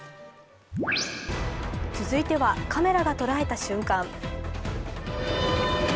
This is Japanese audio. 続いてはカメラが捉えた瞬間。